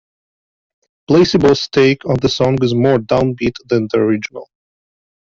Placebo's take on the song is more downbeat than the original.